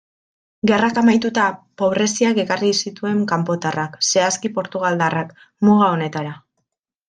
Gerrak amaituta, pobreziak ekarri zituen kanpotarrak, zehazki portugaldarrak, muga honetara.